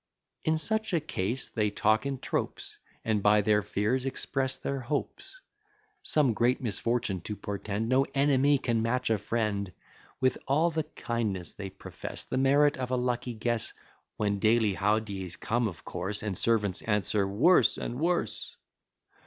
In such a case, they talk in tropes, And by their fears express their hopes: Some great misfortune to portend, No enemy can match a friend. With all the kindness they profess, The merit of a lucky guess (When daily how d'ye's come of course, And servants answer, "_Worse and worse!